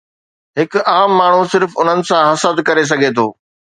هڪ عام ماڻهو صرف انهن سان حسد ڪري سگهي ٿو.